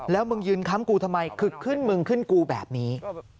แล้วมึงยืนค้ำกูทำไมขึกขึ้นมึงขึ้นกูแบบนี้